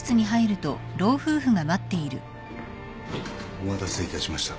お待たせいたしました。